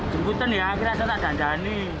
jemputan ya kira kira tak ada anda ini